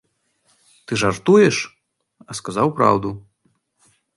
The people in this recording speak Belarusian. Ты жартуеш, а сказаў праўду.